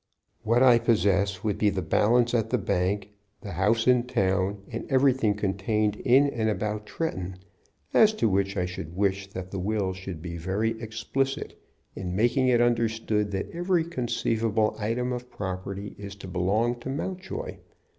"What I possess would be the balance at the bank, the house in town, and everything contained in and about Tretton, as to which I should wish that the will should be very explicit in making it understood that every conceivable item of property is to belong to Mountjoy.